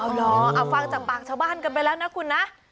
เอาเหรอเอาฟังจากปากชาวบ้านกันไปแล้วนะคุณนะ